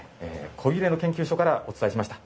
古裂の研究所からお伝えしました。